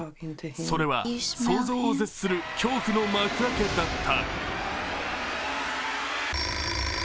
それは想像を絶する恐怖の幕開けだった。